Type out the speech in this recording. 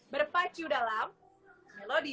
berpacu dalam melodi